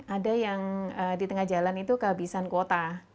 ada yang di tengah jalan itu kehabisan kuota